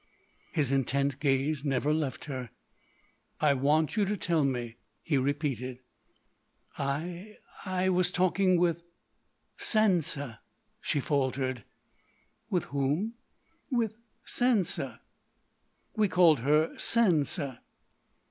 His intent gaze never left her. "I want you to tell me," he repeated. "I—I was talking with Sa n'sa," she faltered. "With whom?" "With Sa n'sa.... We called her Sansa."